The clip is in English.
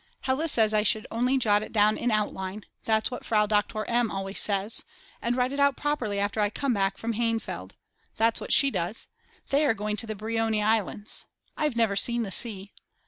Hella says I should only jot it down in outline, that's what Frau Doktor M. always says, and write it out properly after I come back from Hainfeld. That's what she does. They are going to the Brioni Islands. I've never seen the sea.